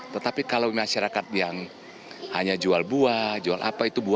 tetapi kalau masyarakat yang hanya jual buah jual apa itu buah